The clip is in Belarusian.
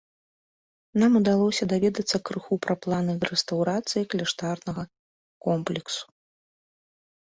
Нам удалося даведацца крыху пра планы рэстаўрацыі кляштарнага комплексу.